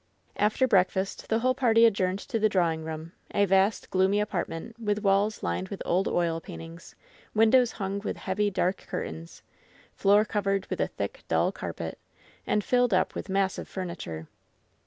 After breakfast the whole party adjourned to the drawing room, a vast, gloomy apartment with walls lined with old oil paintings, windows hung with heavy, dark curtains; floor covered with a thick, dull carpet, and filled up with massive furniture.